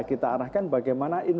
kita arahkan bagaimana infrastrukturnya